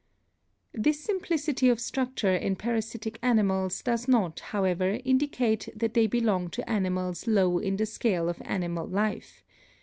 This simplicity of structure in parasitic animals does not, however, indicate that they belong to animals low in the scale of animal life.